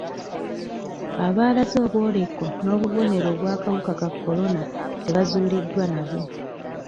Abaalaze obwoleko n'obubonero obw'akawuka ka kolona tebazuuliddwa nabwo.